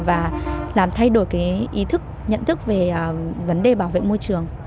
và làm thay đổi cái ý thức nhận thức về vấn đề bảo vệ môi trường